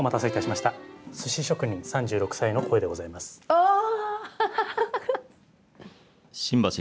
ああ。